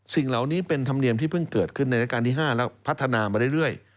สิ่งเหล่านี้เป็นธรรมเนียมที่เพิ่งเกิดขึ้นในรายการที่๕แล้วพัฒนามาเรื่อย